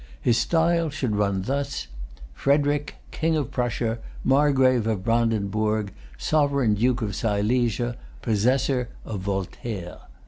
His style should run thus: Frederic, King of Prussia, Margrave of Brandenburg, Sovereign Duke of Silesia, Possessor of Voltaire.